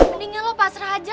mendingan lo pasra aja